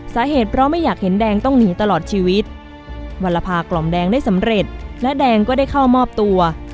สาเหตุเพราะไม่อยากเห็นแดงต้องหนีตลอดชีวิตวรภากล่อมแดงได้สำเร็จและแดงก็ได้เข้ามอบตัว